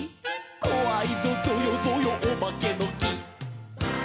「こわいぞぞよぞよおばけのき」